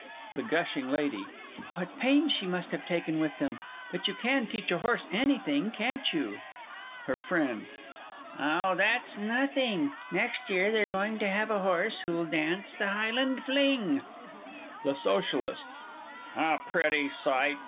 THE GUSHING LADY. What pains she must have taken with them; but you can teach a horse anything, can't you? HER FRIEND. Oh, that's nothing; next year they're going to have a horse who'll dance the Highland Fling. THE SOCIALIST. A pretty sight?